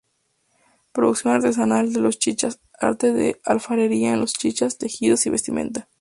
Producción artesanal de los Chichas: arte de alfarería en los chichas, tejidos y vestimenta.